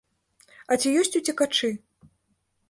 А ці ёсць уцекачы?